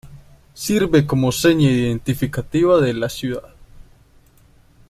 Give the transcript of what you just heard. Sirve como seña identificativa de la ciudad.